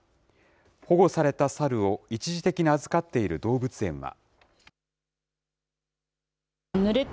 保護された猿を一時的に預かっている動物園は。